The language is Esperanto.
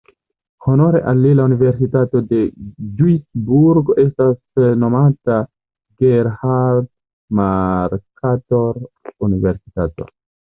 Honore al li la universitato de Duisburg estas nomata Gerhard-Mercator-Universitato.